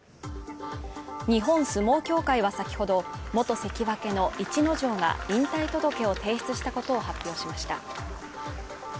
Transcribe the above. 日本相撲協会は先ほど元関脇の逸ノ城が引退届を提出したことを発表しました。